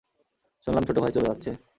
শুনলাম ছোট ভাই চলে যাচ্ছে?